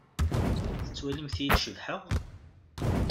Tettwalimt-iyi-d cebḥeɣ?